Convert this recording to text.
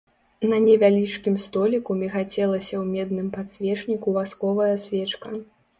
На невялічкім століку мігацелася ў медным падсвечніку васковая свечка.